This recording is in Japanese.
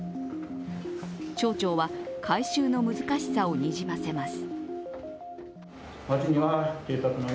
町長は回収の難しさをにじませます。